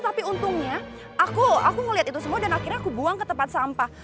tapi untungnya aku ngeliat itu semua dan akhirnya aku buang ke tempat sampah